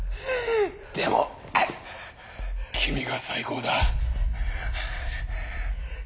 でも君が最高だ。